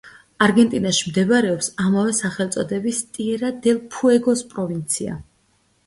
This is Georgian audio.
არგენტინაში მდებარეობს ამავე სახელწოდების ტიერა-დელ-ფუეგოს პროვინცია.